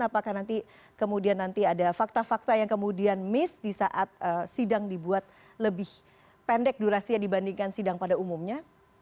apakah nanti kemudian nanti ada fakta fakta yang kemudian miss di saat sidang dibuat lebih pendek durasinya dibandingkan sidang pada umumnya